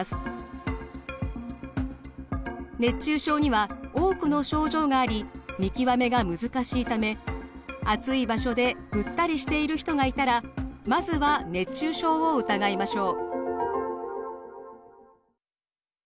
熱中症には多くの症状があり見極めが難しいため暑い場所でぐったりしている人がいたらまずは熱中症を疑いましょう。